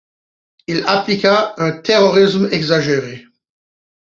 Il appliqua un terrorisme exagéré.